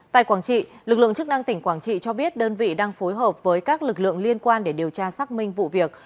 tại quảng trị lực lượng chức năng tỉnh quảng trị cho biết đơn vị đang phối hợp với các lực lượng liên quan để điều tra xác minh vụ việc